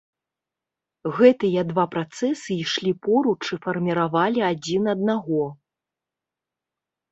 Гэтыя два працэсы ішлі поруч і фармавалі адзін аднаго.